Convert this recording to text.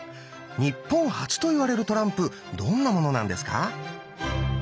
日本初といわれるトランプどんなものなんですか？